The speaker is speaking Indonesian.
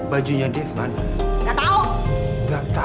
bajunya dia kemana